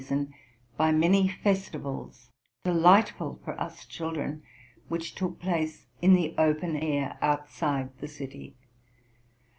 23 son, by many festivals, delightful for us children, which took place in the open air, outside the city.